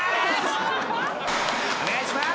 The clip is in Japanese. お願いします！